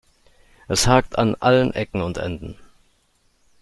Es hakt an allen Ecken und Enden.